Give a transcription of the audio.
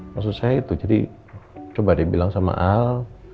maksud saya itu jadi coba deh bilang sama al